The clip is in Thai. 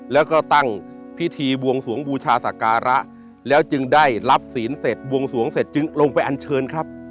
แล้วก็ตั้งพิธีบวงสวงบูชาศักระแล้วจึงได้รับศีลเสร็จบวงสวงเสร็จจึงลงไปอันเชิญครับ